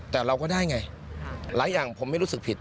แต่เราก็ได้ไงหลายอย่างผมไม่รู้สึกผิด